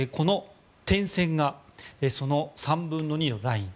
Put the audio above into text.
点線が、その３分の２のライン。